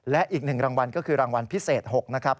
และอีก๑รางวัลก็คือรางวัลพิเศษ๖นะครับ